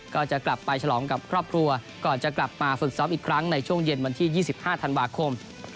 ก็จะกลับไปฉลองกับครอบครัวก่อนจะกลับมาฝึกซ้อมอีกครั้งในช่วงเย็นวันที่๒๕ธันวาคม